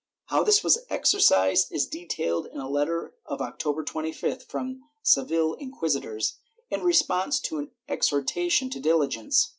How this was exercised is detailed in a letter of October 25th from the Seville inquisitors, in response to an exhortation to diligence.